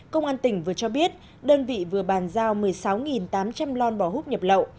công an tỉnh vừa cho biết đơn vị vừa bàn giao một mươi sáu tám trăm linh lon bò hút nhập lậu